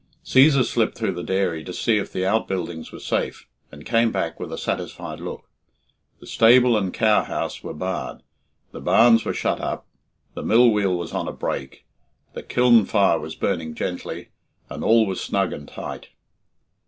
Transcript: Cæsar slipped through the dairy to see if the outbuildings were safe, and came back with a satisfied look. The stable and cow house were barred, the barns were shut up, the mill wheel was on the brake, the kiln fire was burning gently, and all was snug and tight.